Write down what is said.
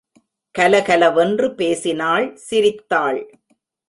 கலகலவென்று பேசினாள் சிரித்தாள்.